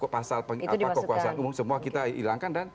pasal kekuasaan umum semua kita hilangkan